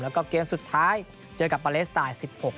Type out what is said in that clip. แล้วก็เกณฑ์สุดท้ายเจอกับพลสตาร์